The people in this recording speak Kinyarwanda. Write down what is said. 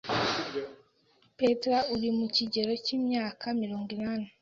Petra uri mu kigero cy’imyaka mirongo inani